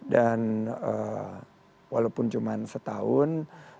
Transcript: dan walaupun cuma setahun